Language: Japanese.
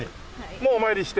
もうお参りして。